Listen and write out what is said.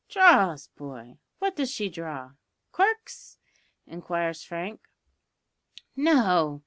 "Draws boy! what does she draw corks?" inquires Frank. "No!"